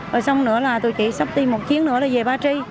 rồi xong nữa là tụi chị sắp đi một chiến nữa là về ba tri